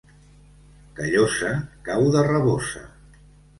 Callosa, cau de rabosa.